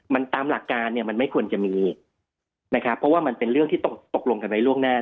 มันตามหลักการเนี่ยมันไม่ควรจะมีนะครับเพราะว่ามันเป็นเรื่องที่ตกตกลงกันไว้ล่วงหน้า